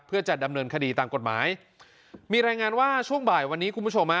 เพื่อจะดำเนินคดีตามกฎหมายมีรายงานว่าช่วงบ่ายวันนี้คุณผู้ชมฮะ